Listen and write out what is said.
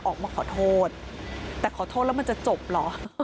ออกมาขอโทษแต่ขอโทษแล้วมันจะจบเหรอ